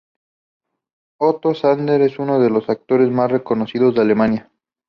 Otto Sander es uno de los actores más reconocidos de Alemania.